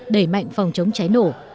đẩy mạnh phòng chống cháy nổ